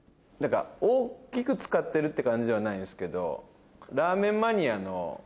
大きく使ってるって感じではないんですけど。